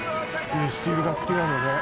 ミスチルが好きなのね。